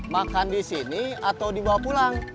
makan di sini atau dibawa pulang